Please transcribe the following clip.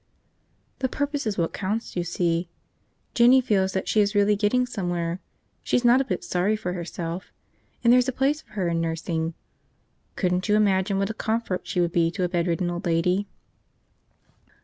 The purpose is what counts, you see. Jinny feels that she is really getting somewhere, she's not a bit sorry for herself. And there's a place for her in nursing. Couldn't you imagine what a comfort she would be to a bedridden old lady?"